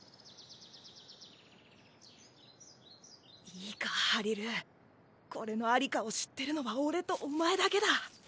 いいかハリルこれのありかを知ってるのは俺とお前だけだ。